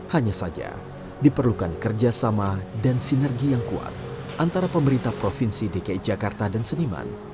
hanya saja diperlukan kerjasama dan sinergi yang kuat antara pemerintah provinsi dki jakarta dan seniman